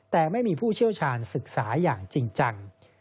แต่ไม่มีผู้เชี่ยวชาญศึกษาอย่างจริงจัง